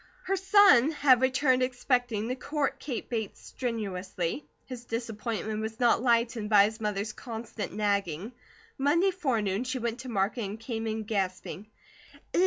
Her son had returned expecting to court Kate Bates strenuously; his disappointment was not lightened by his mother's constant nagging. Monday forenoon she went to market, and came in gasping.